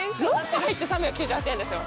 ６個入って３９８円ですよ。